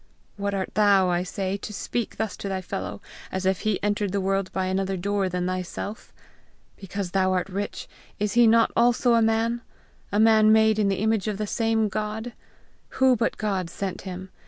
Who art thou, I say, to speak thus to thy fellow, as if he entered the world by another door than thyself! Because thou art rich, is he not also a man? a man made in the image of the same God? Who but God sent him?